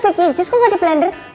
bikin jus kok gak di blender